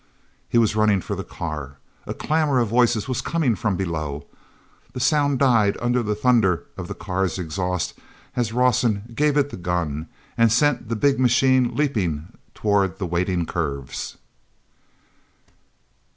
He was running for the car. A clamor of voices was coming from below; the sound died under the thunder of the car's exhaust as Rawson gave it the gun and sent the big machine leaping toward the waiting curves.